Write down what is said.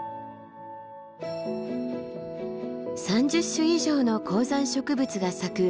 ３０種以上の高山植物が咲く